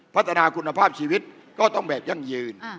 พัฒนาคุณภาพชีวิตก็ต้องแบบยั่งยืน